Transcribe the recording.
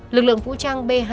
lực lượng vũ trang b hai